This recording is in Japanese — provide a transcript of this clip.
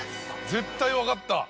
絶対分かった。